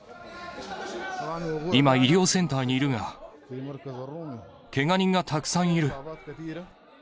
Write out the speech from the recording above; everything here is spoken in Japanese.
今、医療センターにいるが、けが人がたくさんいる。